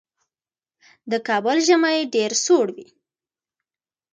د کابل ژمی ډېر سوړ وي.